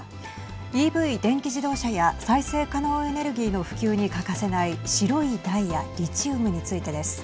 ＥＶ＝電気自動車や再生可能エネルギーの普及に欠かせない白いダイヤリチウムについてです。